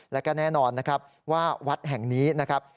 แล้วก็แน่นอนนะครับว่าวัดแห่งนี้นะครับ